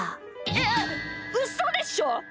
えっうそでしょ！？